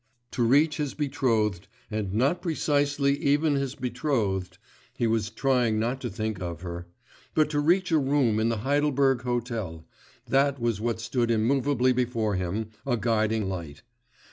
To reach his betrothed, and not precisely even his betrothed (he was trying not to think of her) but to reach a room in the Heidelberg hotel, that was what stood immovably before him, a guiding light.